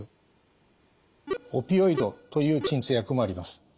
オピオイドという鎮痛薬もあります。